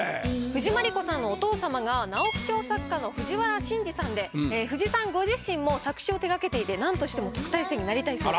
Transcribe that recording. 藤真利子さんのお父様が直木賞作家の藤原審爾さんで藤さんご自身も作詞を手がけていてなんとしても特待生になりたいそうです。